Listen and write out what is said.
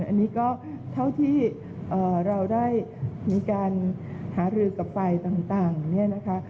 อันนี้ก็เท่าที่เราได้มีการหารือกับไฟต่างเนี่ยนะคะ